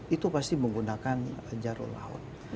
itu pasti menggunakan jarum laut